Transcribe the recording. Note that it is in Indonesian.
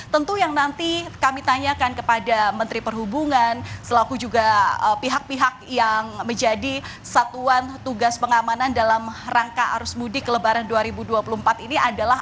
tentu yang nanti kami tanyakan kepada menteri perhubungan selaku juga pihak pihak yang menjadi satuan tugas pengamanan dalam rangka arus mudik lebaran dua ribu dua puluh empat ini adalah